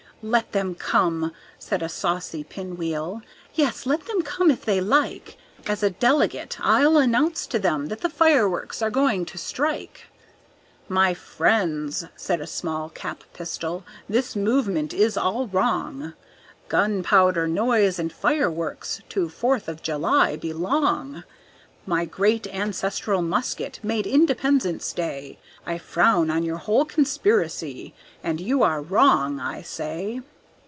"Let them come," said a saucy pinwheel, "yes, let them come if they like, As a delegate I'll announce to them that the fireworks are going to strike!" "My friends," said a small cap pistol, "this movement is all wrong, Gunpowder, noise, and fireworks to Fourth of July belong. My great ancestral musket made Independence Day, I frown on your whole conspiracy, and you are wrong, I say!"